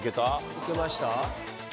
行けました？